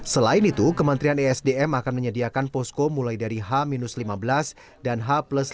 selain itu kementerian esdm akan menyediakan posko mulai dari h lima belas dan h plus satu